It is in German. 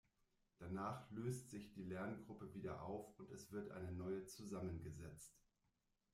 Danach löst sich die Lerngruppe wieder auf und es wird eine neue zusammengesetzt.